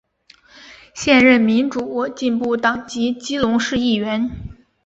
现任民主进步党籍基隆市议员。